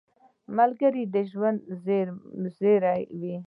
ملګری د ژوند زېری وي